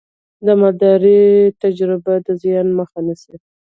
د مالدارۍ تجربه د زیان مخه نیسي.